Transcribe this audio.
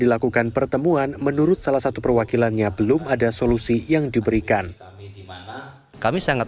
dilakukan pertemuan menurut salah satu perwakilannya belum ada solusi yang diberikan kami sangat